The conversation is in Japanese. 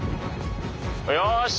よし！